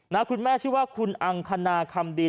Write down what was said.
คุณแม่ชื่อว่าคุณอังคณาคำดี